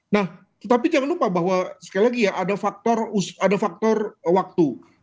nah tetapi jangan lupa bahwa sekali lagi ya ada faktor waktu